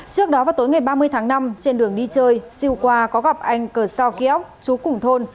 trước đó vào tối ngày ba mươi tháng năm trên đường đi chơi siêu qua có gặp anh cờ so ký ốc trú cùng thôn